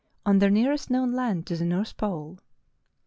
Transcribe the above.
on the nearest known land to the north pole.